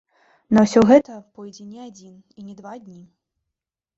На ўсё гэта пойдзе не адзін і не два дні.